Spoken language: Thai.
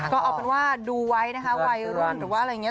ก็เอาเป็นว่าดูไว้นะคะวัยรุ่นหรือว่าอะไรอย่างนี้